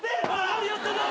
何やってんだ！？